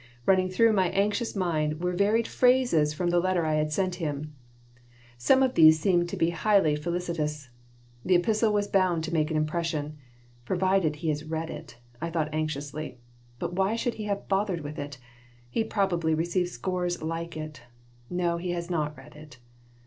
Running through my anxious mind were various phrases from the letter I had sent him. Some of these seemed to be highly felicitous. The epistle was bound to make an impression. "Provided he has read it," I thought, anxiously. "But why should he have bothered with it? He probably receives scores like it. No, he has not read it."